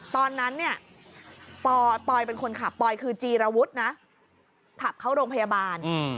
ตอนนั้นเนี่ยปอยเป็นคนขับปอยคือจีรวุฒินะขับเข้าโรงพยาบาล